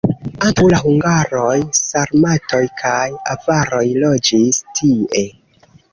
Antaŭ la hungaroj sarmatoj kaj avaroj loĝis tie.